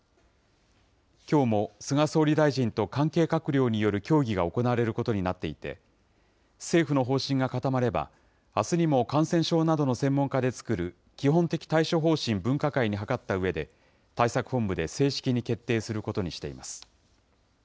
きょうも菅総理大臣と関係閣僚による協議が行われることになっていて、政府の方針が固まれば、あすにも感染症などの専門家で作る、基本的対処方針分科会に諮ったうえで、対策本部で正式に決定することにしています。